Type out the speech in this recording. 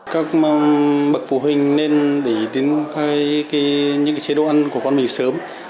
các bậc phụ huynh nên để đến với những cái chế độ ăn của con mình sớm